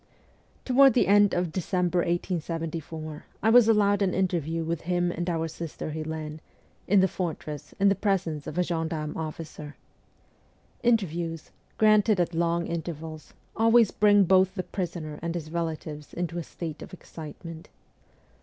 Toward the end of December 1874, I was allowed an interview with him and our sister Helene, in the fortress, in the presence of a gendarme officer. Inter views, granted at long intervals, always bring both the prisoner and his relatives into a state of excitement.